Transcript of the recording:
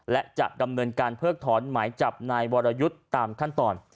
และจะดำเนินการเพิกถอนหมายจับนายวรยุทธ์ตามขั้นตอน